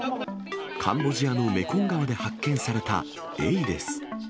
カンボジアのメコン川で発見されたエイです。